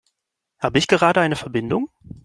Habe ich gerade eine Verbindung?